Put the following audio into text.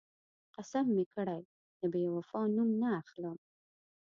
قسم مې کړی، د بېوفا نوم نه اخلم.